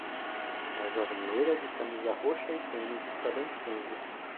Uma jovem loira de camisa roxa e tênis está dançando.